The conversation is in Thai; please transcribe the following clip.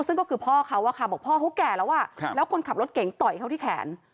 ซึ่งก็คือพ่อเขาอะค่ะบอกพ่อเขาแก่แล้วแล้วคนขับรถเก่งต่อยเขาที่แขน